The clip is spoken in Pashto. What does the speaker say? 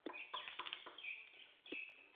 افغانستان کي هندوکش د هنر په اثارو کي منعکس کېږي.